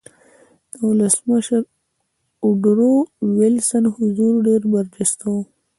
د ولسمشر ووډرو وېلسن حضور ډېر برجسته و